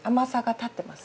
立ってます。